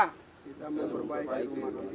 kita mengajak semua saudara saudara kita di papua